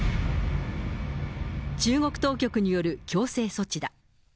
中国当局による強制措置だ。